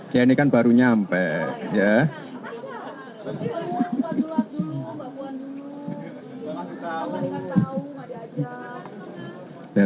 dia ini kan baru nyampe ya